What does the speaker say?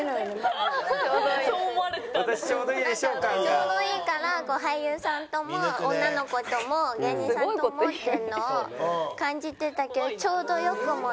ちょうどいいから俳優さんとも女の子とも芸人さんともっていうのを感じてたけどちょうどよくもない。